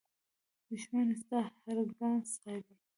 دښمن ستا هر ګام څاري